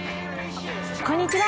こんにちは。